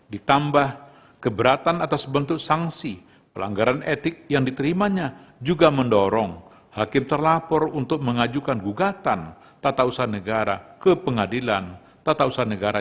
ditambah keberatan atas bentuk sanksi pelanggaran etik yang diterimanya juga mendorong hakim terlapor untuk mengajukan gugatan tata usaha negara